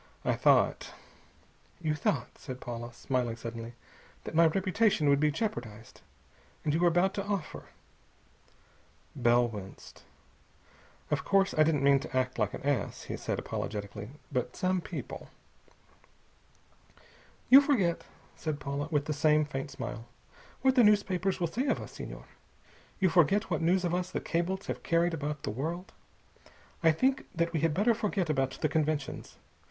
I thought " "You thought," said Paula, smiling suddenly, "that my reputation would be jeopardized. And you were about to offer " Bell winced. "Of course I don't mean to act like an ass," he said apologetically, "but some people...." "You forget," said Paula, with the same faint smile, "what the newspapers will say of us, Senhor. You forget what news of us the cables have carried about the world. I think that we had better forget about the conventions.